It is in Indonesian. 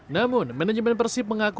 namun manajemen persib mengaku